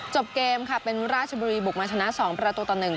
จบเกมค่ะเป็นราชบุรีบุกมาชนะ๒ประตูต่อ๑